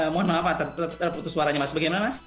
mohon maaf pak terputus suaranya mas bagaimana mas